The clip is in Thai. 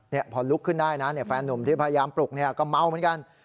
นี่พอลุกขึ้นได้นะแฟนนุ่มที่พยายามปลุกเนี่ยก็เมาเหมือนกัน